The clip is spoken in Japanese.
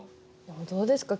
どうですか？